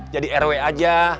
jadi rw aja